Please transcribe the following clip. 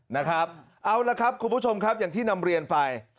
นะครับเอาละครับคุณผู้ชมครับอย่างที่นำเรียนไป